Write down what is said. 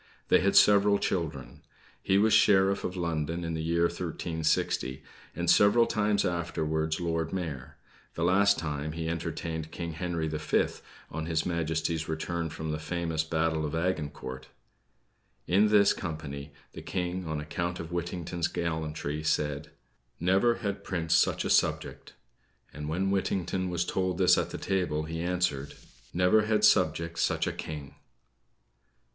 They had several children. He was Sheriff of London in the year 1360, and several times afterwards Lord Mayor; the last time, he entertained King Henry the Fifth, on his Majesty's return from the famous Battle of Agincourt. In this company, the King, on account of Whittington's gallantry, said: "Never had prince such a subject;" and when Whittington was told this at the table, he answered: "Never had subject such a king."